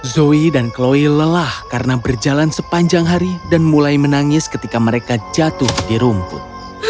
zoe dan chloe lelah karena berjalan sepanjang hari dan mulai menangis ketika mereka jatuh di rumput